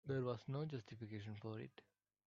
There was no justification for it.